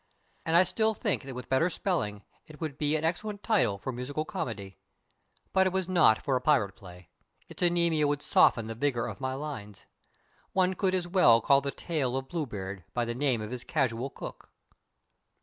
And I still think that with better spelling it would be an excellent title for musical comedy. But it was naught for a pirate play. Its anemia would soften the vigor of my lines. One could as well call the tale of Bluebeard by the name of his casual cook.